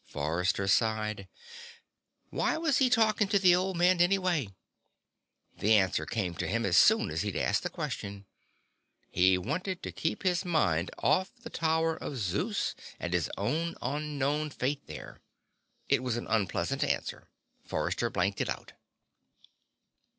Forrester sighed. Why was he talking to the old man, anyway? The answer came to him as soon as he'd asked the question. He wanted to keep his mind off the Tower of Zeus and his own unknown fate there. It was an unpleasant answer; Forrester blanked it out.